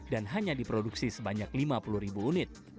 dan hanya diproduksi sebanyak lima puluh ribu unit